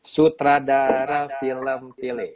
sutradara film tile